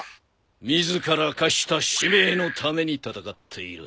自ら課した使命のために戦っている。